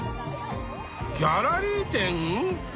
ギャラリー展？